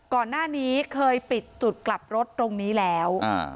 ก่อนหน้านี้เคยปิดจุดกลับรถตรงนี้แล้ว